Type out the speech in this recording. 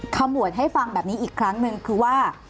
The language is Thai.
ขมวดให้ฟังแบบนี้อีกครั้งหนึ่งคือว่า